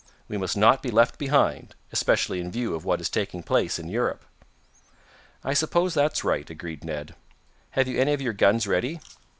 We must not be left behind, especially in view of what is taking place in Europe." "I suppose that's right," agreed Ned. "Have you any of your guns ready?"